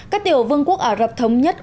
các tiểu vương quốc ả rập thống nhất